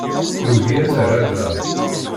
Nugi ad nerr aḍar.